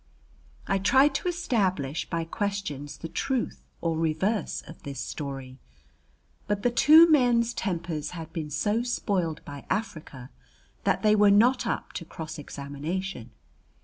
I tried to establish by questions the truth or reverse of this story, but the two men's tempers had been so spoiled by Africa that they were not up to cross examination.